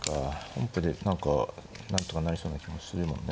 本譜で何かなんとかなりそうな気もするもんね。